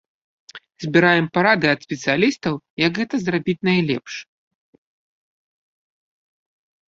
Збіраем парады ад спецыялістаў, як гэта зрабіць найлепш.